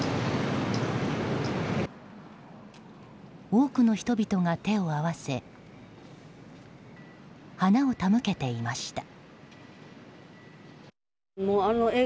多くの人々が手を合わせ花を手向けていました。